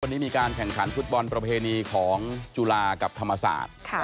วันนี้มีการแข่งขันฟุตบอลประเพณีของจุฬากับธรรมศาสตร์